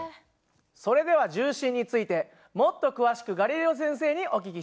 それでは重心についてもっと詳しくガリレオ先生にお聞きしましょう。